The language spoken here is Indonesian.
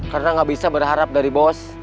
karena gak bisa berharap dari bos